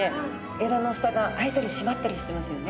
えらの蓋が開いたり閉まったりしてますよね。